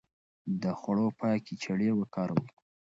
د خوړو پاکې چړې وکاروئ.